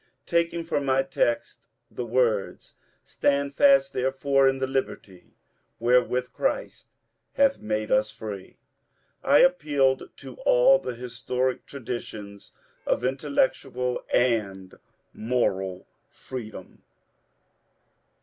Taking for my text the words, ^^ Stand fast therefore in die liberty wherewith Christ hath made us free," I appealed to all the historic tra ditions of intellectual and moral freedom.